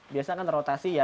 biasanya kan rotasi ya